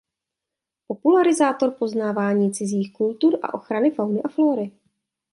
Popularizátor poznávání cizích kultur a ochrany fauny a flóry.